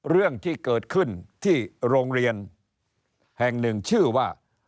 เรื่องที่เกิดขึ้นที่โรงเรียนแห่งหนึ่งชื่อว่า